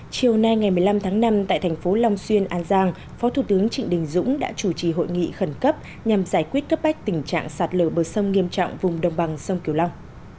chiều nay ngày một mươi năm tháng năm tại thành phố long xuyên an giang phó thủ tướng trịnh đình dũng đã chủ trì hội nghị khẩn cấp nhằm giải quyết cấp bách tình trạng sạt lở bờ sông nghiêm trọng vùng đồng bằng sông kiều long